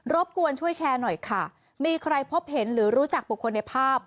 บกวนช่วยแชร์หน่อยค่ะมีใครพบเห็นหรือรู้จักบุคคลในภาพ